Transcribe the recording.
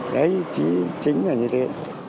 đấy chính là như thế